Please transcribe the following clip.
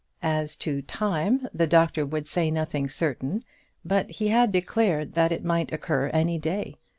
As to time the doctor would say nothing certain; but he had declared that it might occur any day.